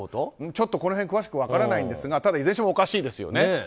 ちょっとこの辺詳しくは分からないんですがただ、いずれにしてもおかしいですよね。